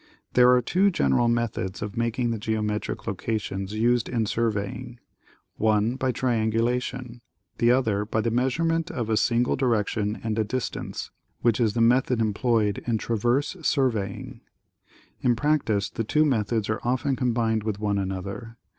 There are two general methods of making the geo metric locations used in surveying; one, bv triangulation ; the other by the measurement of a single direction and a distance, which is the method employed in traverse surveying. In prac tice, the two methods are often combined with one another.